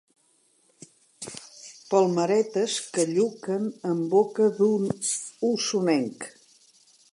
Palmeretes que lluquen en boca d'osonenc.